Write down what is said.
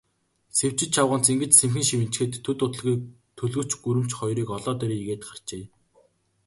Сэвжид чавганц ингэж сэмхэн шивнэчхээд, төд удалгүй төлгөч гүрэмч хоёрыг олоод ирье гээд гарчээ.